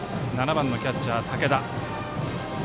７番、キャッチャーの武田。